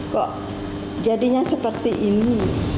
kok jadinya seperti ini